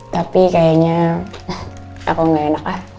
tapi kayaknya aku gak enak lah